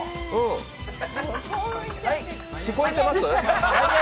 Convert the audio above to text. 聞こえてます？